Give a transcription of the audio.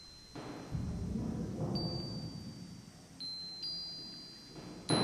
Algunas se sembraron en el Bosque Estatal de Cambalache.